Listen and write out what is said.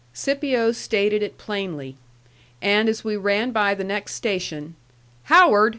Scipio stated it plainly. And as we ran by the next station, "Howard!"